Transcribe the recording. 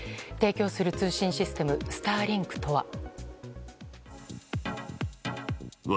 提供する通信システムスターリンクとは。